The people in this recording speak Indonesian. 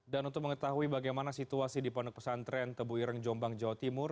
dan untuk mengetahui bagaimana situasi di pondok pesantren tebu ireng jombang jawa timur